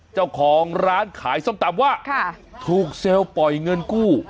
เจ้าของร้านขายส้มตำว่าถูกเซลล์ปล่อยเงินกู้